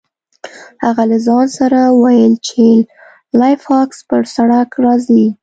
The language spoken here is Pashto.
هغه له ځان سره وویل چې سلای فاکس پر سړک راځي